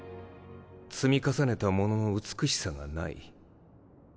積み重ねたものの美しさがない。